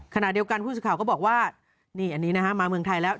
ขณะเดียวกันผู้สื่อข่าวก็บอกว่านี่อันนี้นะฮะมาเมืองไทยแล้ว